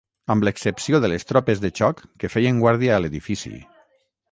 Amb l'excepció de les tropes de xoc que feien guàrdia a l'edifici